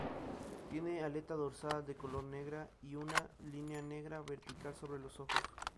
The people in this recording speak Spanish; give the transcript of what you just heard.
Tiene aleta dorsal de color negra y una línea negra vertical sobre los ojos.